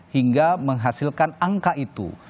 hingga menghasilkan angka itu